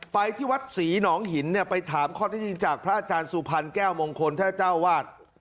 ไปที่วัดศรีหนองหินเนี่ยไปถามข้อที่จริงจากพระอาจารย์สุพรรณแก้วมงคลท่านเจ้าวาด